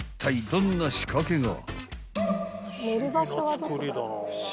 どんな仕掛けが？］